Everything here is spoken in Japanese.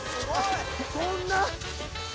そんな。